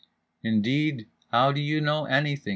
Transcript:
—"Indeed, how do you know anything?"